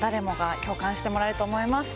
共感してもらえると思います